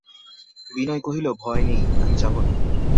বিনয় কহিল, ভয় নেই, আমি যাব না।